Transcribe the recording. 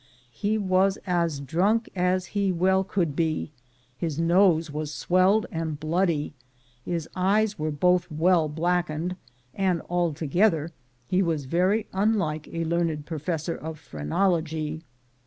He was as drunk as he well could be; his nose was swelled and bloody, his eyes were both well blackened, and alto gether he was very unlike a learned professor of phrenology.